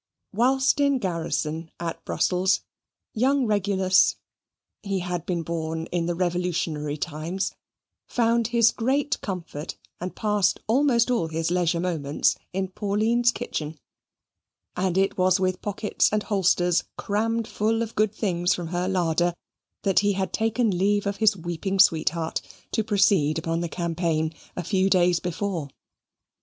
Whilst in garrison at Brussels young Regulus (he had been born in the revolutionary times) found his great comfort, and passed almost all his leisure moments, in Pauline's kitchen; and it was with pockets and holsters crammed full of good things from her larder, that he had take leave of his weeping sweetheart, to proceed upon the campaign a few days before.